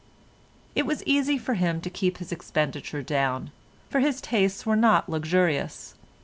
It was easy for him to keep his expenditure down, for his tastes were not luxurious.